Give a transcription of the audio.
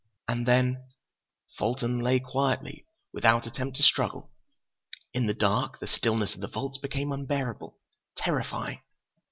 And then: "Fulton lay quietly, without attempt to struggle. In the dark, the stillness of the vaults became unbearable, terrifying.